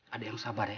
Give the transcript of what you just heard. ada yang sabar ya